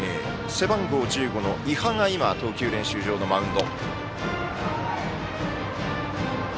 背番号１５の伊波が今、投球練習場のマウンド。